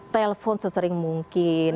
telepon sesering mungkin